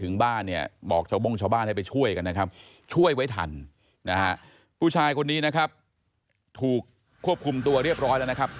นายคนนี้นะครับถูกควบคุมตัวเรียบร้อยแล้วนะครับ